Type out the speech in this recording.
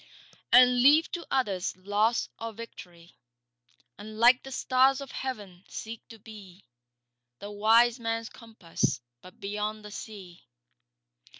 And leave to others loss or victory; And like the stars of heaven seek to be The wise man's compass but beyond the sea.